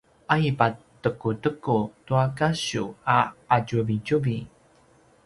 a i patekuteku tua kasiw a qatjuvitjuvi